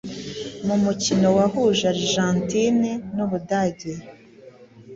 mu mukino wahuje Argentine n'u Budage